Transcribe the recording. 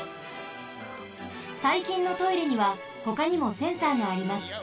さいきんのトイレにはほかにもセンサーがあります。